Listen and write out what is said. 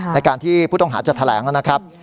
ในการที่ผู้ต้องหาจะแถลงนะครับ